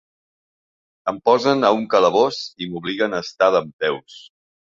Em posen a un calabós i m’obliguen a estar dempeus.